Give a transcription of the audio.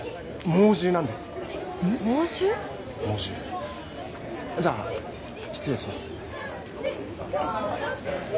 猛獣じゃあ失礼します。